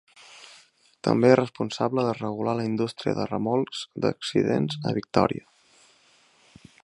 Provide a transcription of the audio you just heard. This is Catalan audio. També és responsable de regular la indústria de remolcs d'accidents a Victòria.